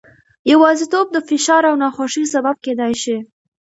یوازیتوب د فشار او ناخوښۍ سبب کېدای شي.